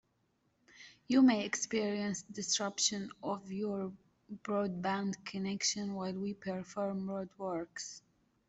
You may experience disruption of your broadband connection while we perform road works.